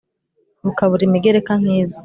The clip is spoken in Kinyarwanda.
Rukabura imigereka nk'izo